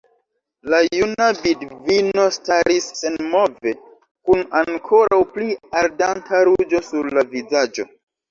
La juna vidvino staris senmove, kun ankoraŭ pli ardanta ruĝo sur la vizaĝo.